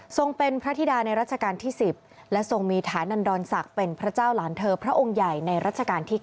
เป็นพระธิดาในรัชกาลที่๑๐และทรงมีฐานันดรศักดิ์เป็นพระเจ้าหลานเธอพระองค์ใหญ่ในรัชกาลที่๙